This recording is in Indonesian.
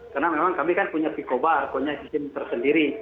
karena memang kami kan punya pico bar punya izin tersendiri